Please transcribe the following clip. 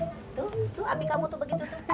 tuh tuh abi kamu tuh begitu